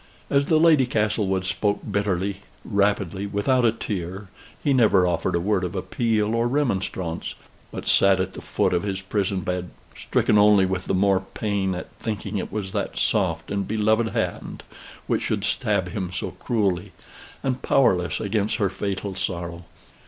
As the Lady Castlewood spoke bitterly, rapidly, without a tear, he never offered a word of appeal or remonstrance: but sat at the foot of his prison bed, stricken only with the more pain at thinking it was that soft and beloved hand which should stab him so cruelly, and powerless against her fatal sorrow.